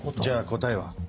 じゃあ答えは？